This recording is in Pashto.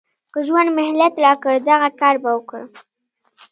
که ژوند مهلت راکړ دغه کار به وکړم.